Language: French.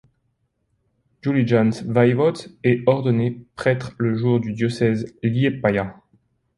Julijans Vaivods est ordonné prêtre le pour le diocèse de Liepāja.